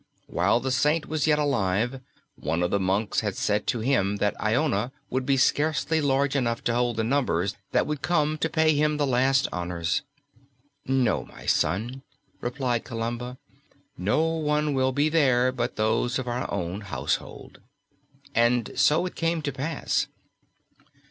While the Saint was yet alive one of the monks had said to him that Iona would be scarcely large enough to hold the numbers that would come to pay him the last honours. "No, my son," replied Columba, "no one will be there but those of our own household;" and so it came to pass.